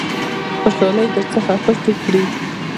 خوشالۍ در څخه پټې کړي .